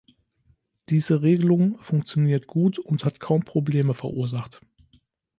Diese Regelung funktioniert gut und hat kaum Probleme verursacht.